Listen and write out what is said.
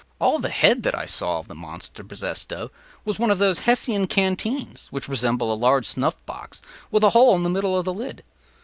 All the head that I saw the monster possessed of was one of those Hessian canteens which resemble a large snuff box with a hole in the middle of the lid.